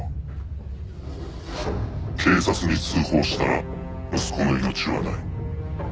「警察に通報したら息子の命はない」